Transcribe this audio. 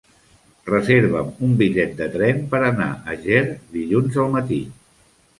Reserva'm un bitllet de tren per anar a Ger dilluns al matí.